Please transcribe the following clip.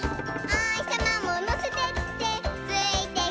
「おひさまものせてってついてくるよ」